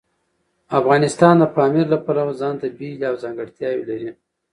افغانستان د پامیر له پلوه ځانته بېلې او ځانګړتیاوې لري.